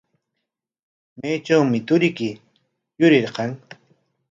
¿Maytrawmi turiyki yurirqan?